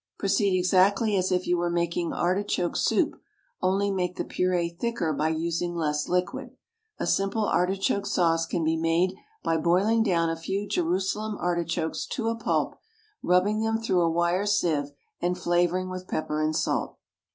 Proceed exactly as if you were making artichoke soup, only make the puree thicker by using less liquid. A simple artichoke sauce can be made by boiling down a few Jerusalem artichokes to a pulp, rubbing them through a wire sieve, and flavouring with pepper and salt.